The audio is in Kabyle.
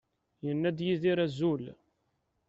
Yenna-d Yidir azul.